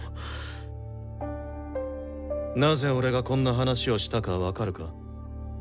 なぜ俺がこんな話をしたか分かるか？